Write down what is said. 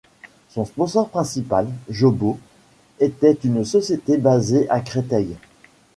Son sponsor principal, Jobo, était une société basée à Créteil.